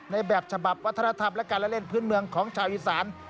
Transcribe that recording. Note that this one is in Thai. แบบฉบับวัฒนธรรมและการเล่นพื้นเมืองของชาวอีสาน